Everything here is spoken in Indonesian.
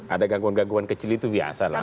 ada gangguan gangguan kecil itu biasa lah